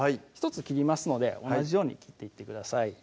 １つ切りますので同じように切っていってください